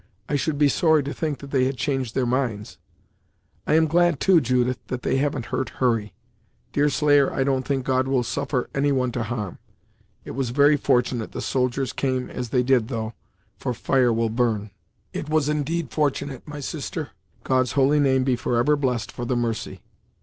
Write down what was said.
I should be sorry to think that they had changed their minds. I am glad too, Judith, that they haven't hurt Hurry. Deerslayer I don't think God will suffer any one to harm. It was very fortunate the soldiers came as they did though, for fire will burn!" "It was indeed fortunate, my sister; God's holy name be forever blessed for the mercy!"